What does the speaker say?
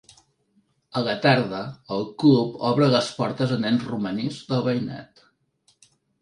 A la tarda, el club obre les portes a nens romanís del veïnat.